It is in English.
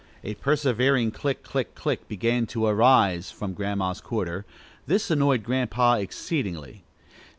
A persevering "click! click! click!" began to arise from Grandma's quarter. This annoyed Grandpa exceedingly.